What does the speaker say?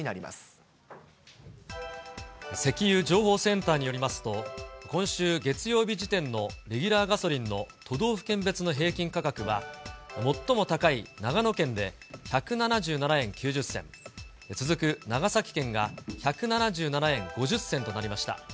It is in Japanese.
ま石油情報センターによりますと、今週月曜日時点のレギュラーガソリンの都道府県別の平均価格は、最も高い長野県で１７７円９０銭、続く長崎県が１７７円５０銭となりました。